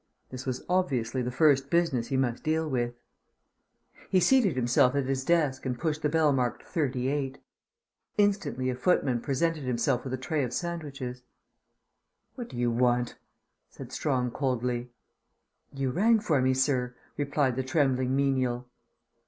This was obviously the first business he must deal with. He seated himself at his desk and pushed the bell marked "38." Instantly a footman presented himself with a tray of sandwiches. "What do you want?" said Strong coldly. "You rang for me, sir," replied the trembling menial.